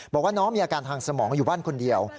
บอกว่าน้องมีอาการทางสมองอยู่บ้านคนเดียว